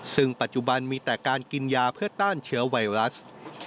ซึ่งปัจจุบันมีแต่การกินยาเพื่อต้านเชื้อไวรัส